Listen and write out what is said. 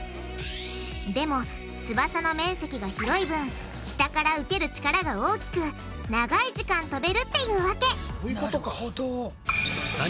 でも翼の面積が広い分下から受ける力が大きく長い時間飛べるっていうわけそういうことか。